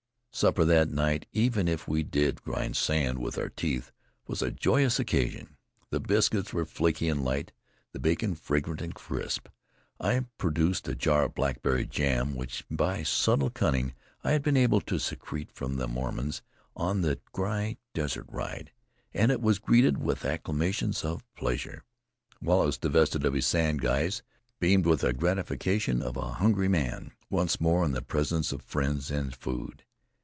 Supper that night, even if we did grind sand with our teeth, was a joyous occasion. The biscuits were flaky and light; the bacon fragrant and crisp. I produced a jar of blackberry jam, which by subtle cunning I had been able to secrete from the Mormons on that dry desert ride, and it was greeted with acclamations of pleasure. Wallace, divested of his sand guise, beamed with the gratification of a hungry man once more in the presence of friends and food.